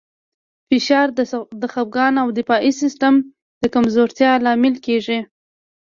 فشار د خپګان او د دفاعي سیستم د کمزورتیا لامل کېږي.